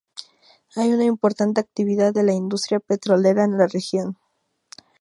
Hay una importante actividad de la industria petrolera en la región.